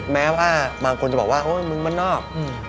แม้ว่าผู้หญิงจะบอกว่ามันนอก